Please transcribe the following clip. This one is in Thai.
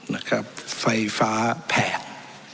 นะครับไฟฟ้าแพง